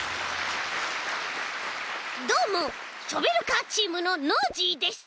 どうもショベルカーチームのノージーです。